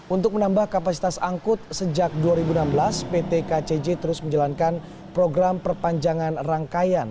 untuk menambah kapasitas angkut sejak dua ribu enam belas pt kcj terus menjalankan program perpanjangan rangkaian